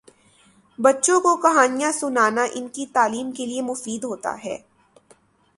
بچوں کو کہانیاں سنانا ان کی تعلیم کے لئے مفید ہوتا ہے۔